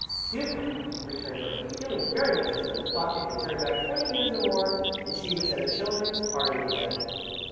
"Superfine," returned Dorothy, feeling very much as though the clock had been turned back twenty years or more and she was at a children's party again.